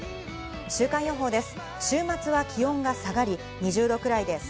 週間予報です。